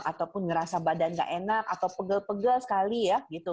ataupun ngerasa badan nggak enak atau pegel pegel sekali ya gitu